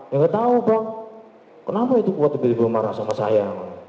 gak tau bang kenapa itu kuat tiba tiba marah sama saya